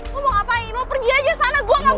lo mau ngapain lo pergi aja sana gue gak butuh lo